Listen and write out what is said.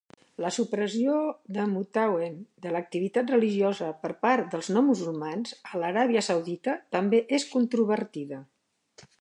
La supressió de Mutaween de l"activitat religiosa per part dels no musulmans a l"Aràbia Saudita també és controvertida.